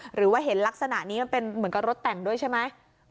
หรือว่าเห็นลักษณะนี้มันเป็นเหมือนกับรถแต่งด้วยใช่ไหม